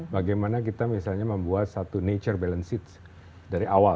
bagaimana kita misalnya membuat satu nature balance dari awal